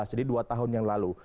jadi dua tahun yang lalu